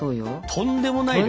とんでもない量よ。